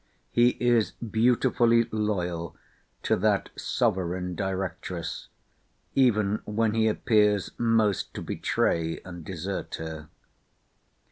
He is beautifully loyal to that sovereign directress, even when he appears most to betray and desert her.